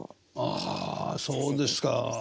あそうですか。